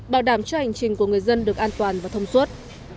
bảo đảm cho hành trình của người dân được an toàn và thông suốt